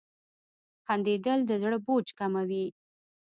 • خندېدل د زړه بوج کموي.